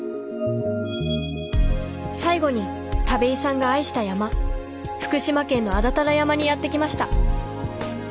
最後に田部井さんが愛した山福島県の安達太良山にやって来ました。